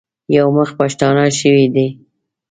یو مخ پښتانه شوي دي.